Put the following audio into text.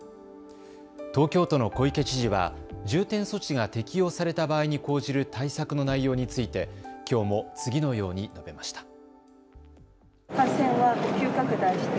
東京都の小池知事は重点措置が適用された場合に講じる対策の内容についてきょうも次のように述べました。